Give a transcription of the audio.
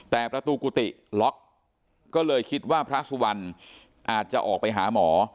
แต่ประตูกุฏิล็อกก็เลยคิดว่าพระสุวรรณอาจจะออกไปหาหมอ